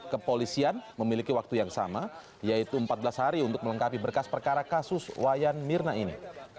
kepolisian memiliki waktu yang sama yaitu empat belas hari untuk melengkapi berkas perkara kasus wayan mirna ini